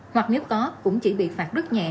hoặc nếu có cũng chỉ bị phạt rất nhẹ